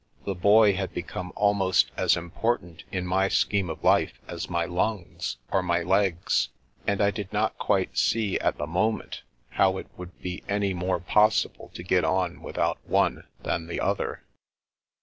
The Boy had become almost as im portant in my scheme of life as my lungs or my legs, and I did not quite see, at the moment, how it would be any more possible to get on without one than the other.